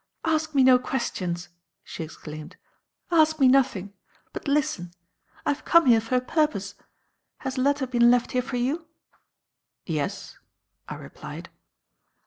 "Ask me no questions!" she exclaimed. "Ask me nothing! But listen. I have come here for a purpose. Has a letter been left here for you?" "Yes," I replied.